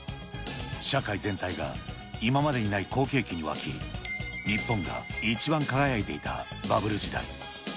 社会全体が今までにない好景気に沸き、日本が一番輝いていたバブル時代。